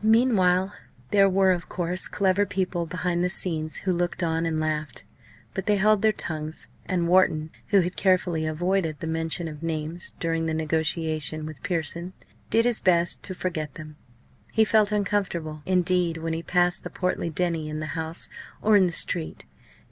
Meanwhile there were, of course, clever people behind the scenes who looked on and laughed. But they held their tongues, and Wharton, who had carefully avoided the mention of names during the negotiations with Pearson, did his best to forget them. He felt uncomfortable, indeed, when he passed the portly Denny in the House or in the street.